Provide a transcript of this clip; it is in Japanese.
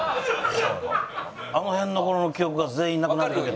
あの辺の頃の記憶が全員なくなりかけて。